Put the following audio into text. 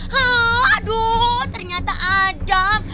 haa aduh ternyata adam